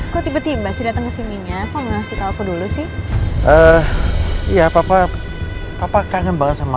kok tiba tiba sih datang kesininya kamu kasih tahu aku dulu sih iya papa papa kangen banget sama